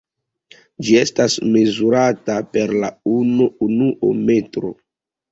Ĝi estas mezurata per la unuo metro.